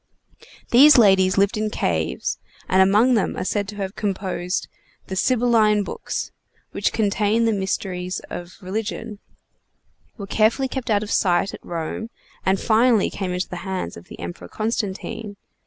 These ladies lived in caves, and among them are said to have composed the Sibylline books, which contained the mysteries of religion, were carefully kept out of sight at Rome, and finally came into the hands of the Emperor Constantine.